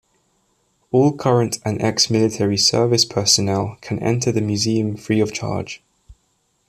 All current and ex-military service personnel can enter the museum free of charge.